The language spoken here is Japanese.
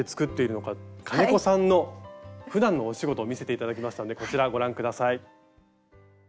金子さんのふだんのお仕事を見せて頂きましたのでこちらご覧下さい。